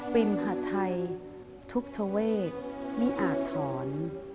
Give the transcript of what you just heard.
ปริมหาไทยทุกธเวทมิอาทร